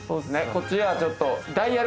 こっちがちょっと。